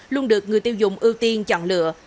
luôn được người tiêu dùng ưu tiên chọn lựa